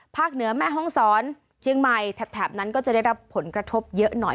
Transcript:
เหนือแม่ห้องศรเชียงใหม่แถบนั้นก็จะได้รับผลกระทบเยอะหน่อย